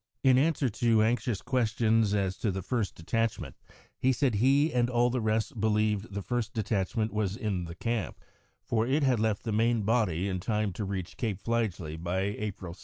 In answer to anxious questions as to the first detachment, he said he and all the rest believed the first detachment was in the camp, for it had left the main body in time to reach Cape Fligely by April 2.